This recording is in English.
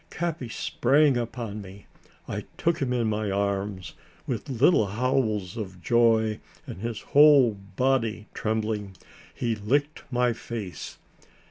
Capi sprang upon me. I took him in my arms; with little howls of joy, and his whole body trembling, he licked my face.